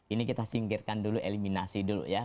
ini kita singkirkan dulu eliminasi dulu ya